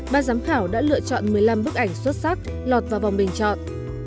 ba giám khảo đã lựa chọn một mươi năm bức ảnh xuất sắc lọt vào vòng bình chọn